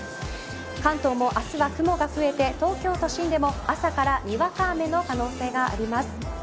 関東も、明日は雲が増えて東京都心でも、朝からにわか雨の可能性があります